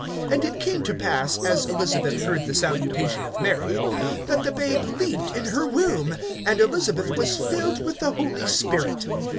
(41)And it came to pass, as Elisabeth heard the salutation of Mary, that the babe leaped in her womb; and Elisabeth was filled with the Holy Spirit.